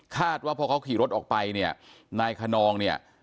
ว่าพอเขาขี่รถออกไปเนี่ยนายคนนองเนี่ย